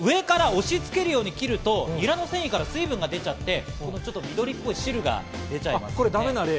上から押しつけるように切ると、ニラの繊維から水分が出ちゃって緑っぽい汁が出ちゃいます。